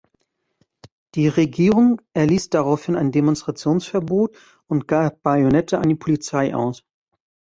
Die Regierung erließ daraufhin ein Demonstrationsverbot und gab Bajonette an die Polizei aus.